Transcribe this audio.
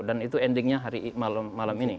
dan itu endingnya hari malam ini